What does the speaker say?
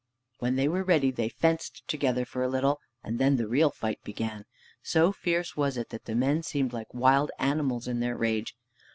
When they were ready they fenced together for a little, and then the real fight began. So fierce was it that the men seemed like wild animals in their rage.